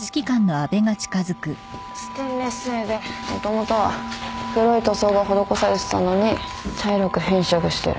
ステンレス製でもともとは黒い塗装が施されてたのに茶色く変色してる。